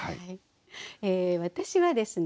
え私はですね